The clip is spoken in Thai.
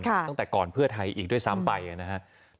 ตั้งแต่ก่อนเพื่อไทยอีกด้วยซ้ำไปนะครับ